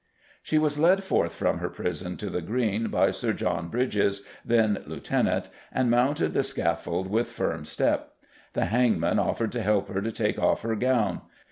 She was led forth from her prison to the Green by Sir John Bridges, then Lieutenant, and mounted the scaffold with firm step. The hangman offered to help her to take off her gown.